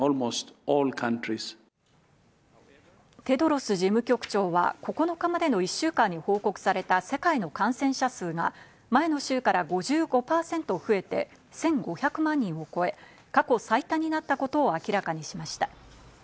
テドロス事務局長は９日までの１週間に報告された世界の感染者数が前の週から５５％増えて１５００万人を超え、過去最多になったことを明らかにしました。